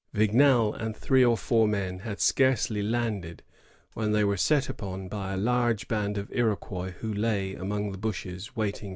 Vignal and three or four men had scarcely landed when they were set upon by a large band of Iroquois who lay among the bushes waiting to receive them.